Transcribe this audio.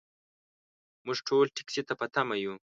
موږ ټول ټکسي ته په تمه یو .